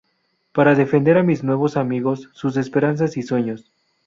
Para defender a mis nuevos amigos, sus esperanzas y sueños.